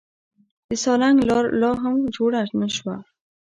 د سالنګ لار لا هم جوړه نه شوه.